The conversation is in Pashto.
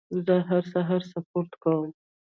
زه هر سهار سپورت کوم.